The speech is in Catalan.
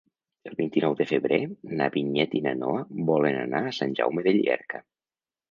El vint-i-nou de febrer na Vinyet i na Noa volen anar a Sant Jaume de Llierca.